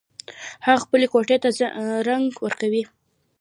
هغه خپلې کوټۍ ته رنګ ورکوي